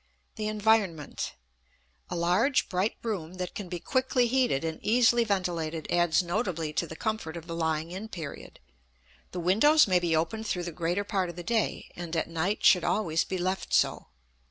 The Environment. A large, bright room that can be quickly heated and easily ventilated adds notably to the comfort of the lying in period. The windows may be opened through the greater part of the day and at night should always be left so.